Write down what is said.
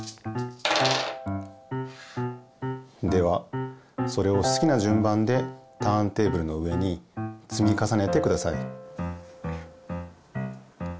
ではそれをすきなじゅん番でターンテーブルの上につみかさねてください。